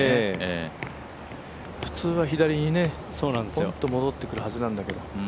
普通は左にポンと戻ってくるはずなんだけど。